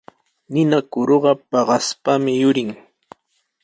Ninakuruqa paqaspami yurin.